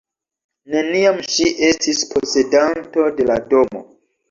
Neniam ŝi estis posedanto de la domo.